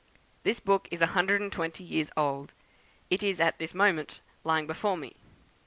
This book is a hundred and twenty years old; it is at this moment lying before me.